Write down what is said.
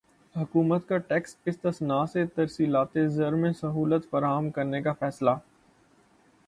حکومت کا ٹیکس استثنی سے ترسیلات زر میں سہولت فراہم کرنے کا فیصلہ